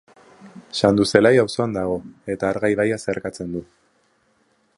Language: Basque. Sanduzelai auzoan dago eta Arga ibaia zeharkatzen du.